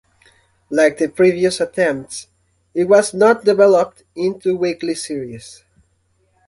Like the previous attempts, it was not developed into a weekly series.